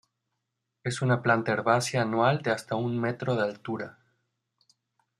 Es una planta herbácea anual de hasta un metro de altura.